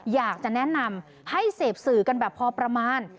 อยากจะแนะนำให้เสพสื่อกันแบบพอประมาณ